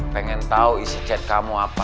pengen tahu isi chat kamu apa